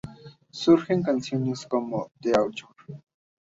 Surgen canciones como "The Author".